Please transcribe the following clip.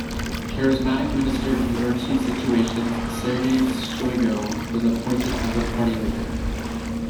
Charismatic Minister of Emergency Situations Sergei Shoigu was appointed as the party leader.